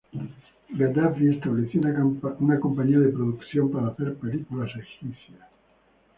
Gaddafi estableció una compañía de producción para hacer películas egipcias.